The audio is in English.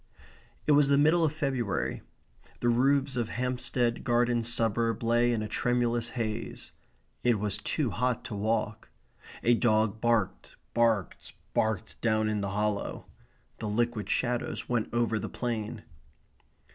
It was the middle of February. The roofs of Hampstead Garden Suburb lay in a tremulous haze. It was too hot to walk. A dog barked, barked, barked down in the hollow. The liquid shadows went over the plain.